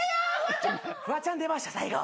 フワちゃん出ました最後。